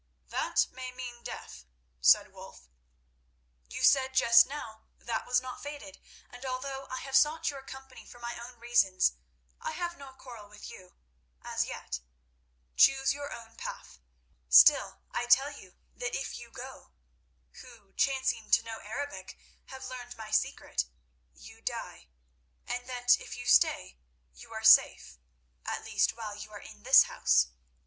"That may mean death," said Wulf. "You said just now that was not fated, and although I have sought your company for my own reasons, I have no quarrel with you—as yet. Choose your own path. Still, I tell you that if you go, who, chancing to know Arabic, have learned my secret, you die, and that if you stay you are safe—at least while you are in this house.